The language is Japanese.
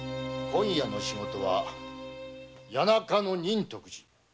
今夜の仕事は谷中の仁徳寺。